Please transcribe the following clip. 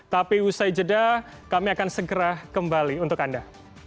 tapi usai jeda kami akan segera kembali untuk anda